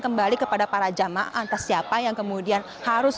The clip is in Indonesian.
kembali kepada para jemaah atas siapa yang kemudian harus